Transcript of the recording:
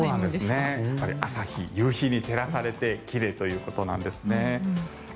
そうなんです朝日、夕日に照らされて奇麗ということなんですね。